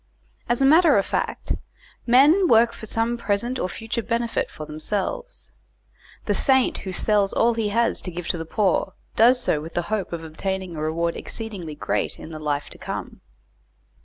As a matter of fact men work for some present or future benefit for themselves. The saint who sells all he has to give to the poor, does so with the hope of obtaining a reward exceedingly great in the life to come.